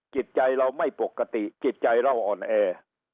จิตใจเราไม่ปกติจิตใจเราอ่อนแอ